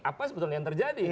apa sebetulnya yang terjadi